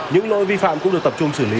những lỗi vi phạm cũng được tập trung xử lý